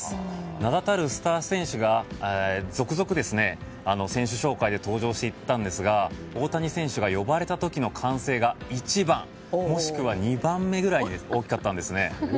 名だたるスター選手が続々、選手紹介で登場していったんですが大谷選手が呼ばれた時の歓声が一番もしくは２番目くらいに大きかったんですね。